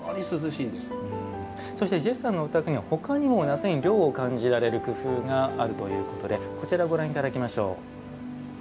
そしてジェフさんのお宅には他にも夏に涼を感じられる工夫があるということでこちらをご覧いただきましょう。